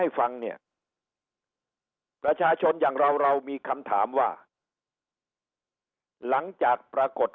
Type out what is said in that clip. ฟังเนี่ยประชาชนอย่างเราเรามีคำถามว่าหลังจากปรากฏ